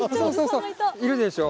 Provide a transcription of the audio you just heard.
いるでしょ？